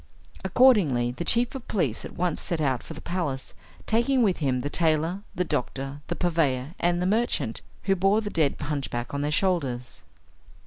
Accordingly, the chief of police at once set out for the palace, taking with him the tailor, the doctor, the purveyor, and the merchant, who bore the dead hunchback on their shoulders.